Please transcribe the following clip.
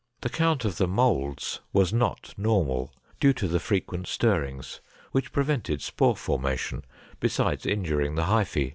The count of the molds was not normal, due to the frequent stirrings, which prevented spore formation, besides injuring the hyphae.